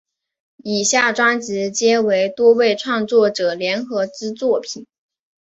以下专辑皆为多位创作者联合之作品。